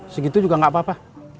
segitu juga nggak apa apa